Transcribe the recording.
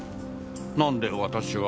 なんで私が？